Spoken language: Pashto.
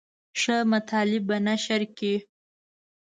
ښه مطالب به نشر کړي.